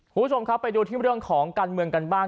คุณผู้ชมครับไปดูที่เรื่องของการเมืองกันบ้าง